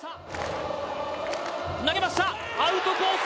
投げましたアウトコース